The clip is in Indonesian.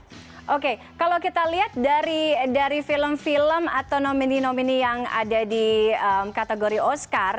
oke stan tapi kalau ya oke kalau kita lihat dari film film atau nomini nomini yang ada di kategori oscar